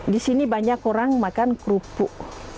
di sini banyak orang makan kerupuk